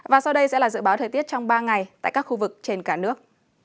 và sau đây sẽ là dự báo thời tiết trong ba ngày tại các khu vực trên cả nước